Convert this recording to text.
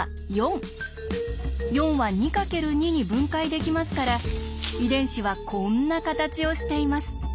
４は２×２に分解できますから遺伝子はこんな形をしています。